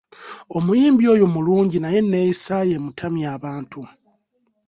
Omuyimbi oyo mulungi naye enneeyisa ye emutamya abantu.